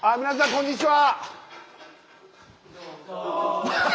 こんにちは！